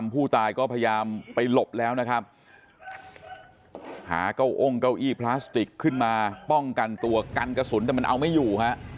หาเก้าองเก้าอี้พลาสติกขึ้นมาป้องกันตัวกันกระสุนแต่มันเอาไม่อยู่